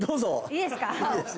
いいですか？